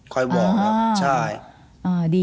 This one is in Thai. ค่อยบอกครับใช่